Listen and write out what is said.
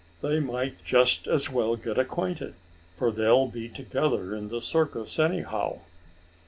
They might just as well get acquainted, for they'll be together in the circus, anyhow."